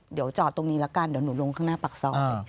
เดี๋ยวจอดตรงนี้ละกันเดี๋ยวหนูลงข้างหน้าปากซอย